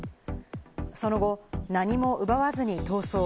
その後、何も奪わずに逃走。